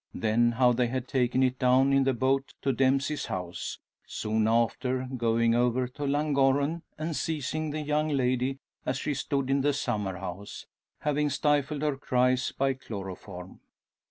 Then how they had taken it down in the boat to Dempsey's house; soon after, going over to Llangorren, and seizing the young lady, as she stood in the summer house, having stifled her cries by chloroform.